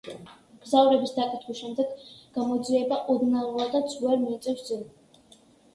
მგზავრების დაკითხვის შემდეგ გამოძიება ოდნავადაც ვერ მიიწევს წინ.